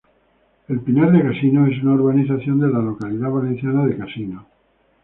El Pinar de Casinos es una urbanización de la localidad valenciana de Casinos.